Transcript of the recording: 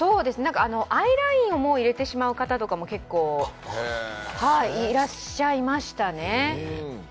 アイラインを入れてしまう方とかも結構いらっしゃいましたね。